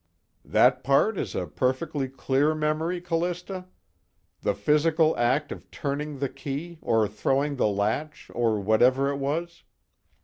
"That part is a perfectly clear memory, Callista? The physical act of turning the key or throwing the latch or whatever it was?"